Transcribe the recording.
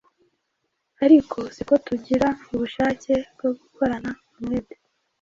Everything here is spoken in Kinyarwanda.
ariko si ko tugira ubushake bwo gukorana umwete.